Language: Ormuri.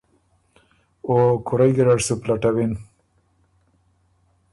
او کُورئ ګیرډ سُو پلټوِن۔